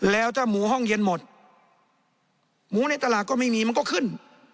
แล้วถ้าหมูห้องเย็นหมดหมูในตลาดก็ไม่มีมันก็ขึ้น